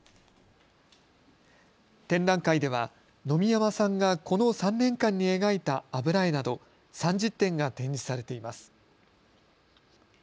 展覧会では野見山さんがこの３年間に描いた油絵など３０点が展示されています。